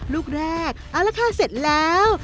ลูกแรกเอาละค่ะเสร็จแล้ว